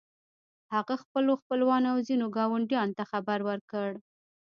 هغه خپلو خپلوانو او ځينو ګاونډيانو ته خبر ورکړ.